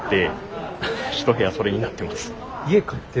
家買って？